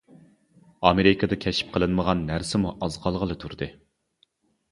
ئامېرىكىدا كەشىپ قىلىنمىغان نەرسىمۇ ئاز قالغىلى تۇردى.